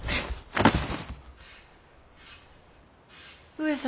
上様